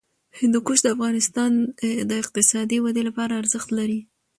هندوکش د افغانستان د اقتصادي ودې لپاره ارزښت لري.